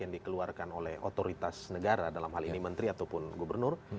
yang dikeluarkan oleh otoritas negara dalam hal ini menteri ataupun gubernur